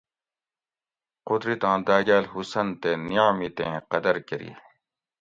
قدرتاں داۤگاۤل حسن تے نعمتیں قدر کۤری